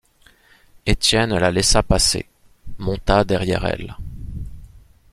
Étienne la laissa passer, monta derrière elle.